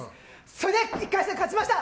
それで１回戦勝ちました。